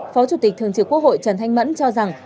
phó chủ tịch thường trực quốc hội trần thanh mẫn cho rằng